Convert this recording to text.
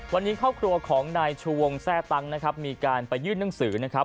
วันนี้ครอบครัวของนายชูวงแทร่ตังนะครับมีการไปยื่นหนังสือนะครับ